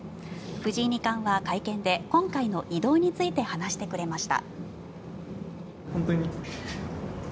藤井二冠は会見で今回の移動について話してくれました。